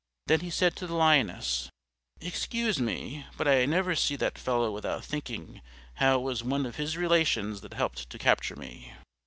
Then he said to the Lioness, "Excuse me, but I never see that fellow without thinking how it was one of his relations that helped to capture me.